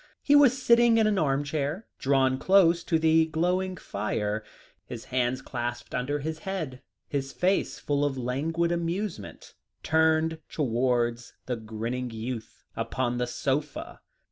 He was sitting in an armchair drawn close to the glowing fire, his hands clasped under his head, his face full of languid amusement, turned towards the grinning youth upon the sofa.